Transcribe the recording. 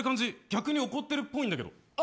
逆に怒ってるっぽいねんけど。